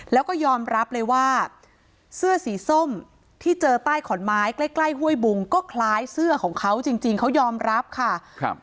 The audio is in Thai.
แล้วก็ยอมรับเลยว่าเสื้อสีส้มที่เจอใต้ขอนไม้ใกล้ใกล้ห้วยบุงก็คล้ายเสื้อของเขาจริงเขายอมรับค่ะครับ